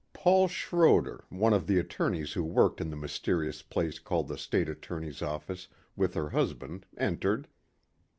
Paul Schroder, one of the attorneys who worked in the mysterious place called the state attorney's office with her husband, entered.